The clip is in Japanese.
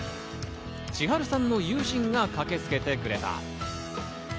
千春さんの友人が駆けつけてくれた。